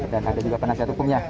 dan ada juga penasehat hukum